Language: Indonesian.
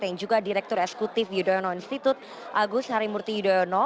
yang juga direktur esekutif yudhoyono institute agus harimurti yudhoyono